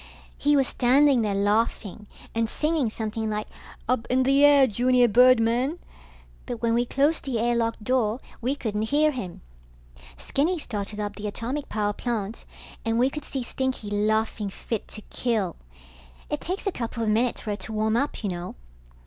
He was standing there laughing and singing something like up in the air junior birdmen, but when we closed the air lock door, we couldn't hear him. Skinny started up the atomic power plant, and we could see Stinky laughing fit to kill. It takes a couple of minutes for it to warm up, you know.